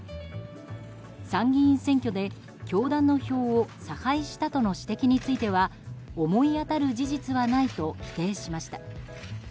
参議院選挙で教団の票を差配したとの指摘については思い当たる事実はないと否定しました。